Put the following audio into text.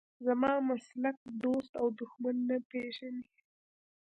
زما مسلک دوست او دښمن نه پېژني.